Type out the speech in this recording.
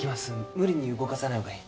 無理に動かさないほうがいい。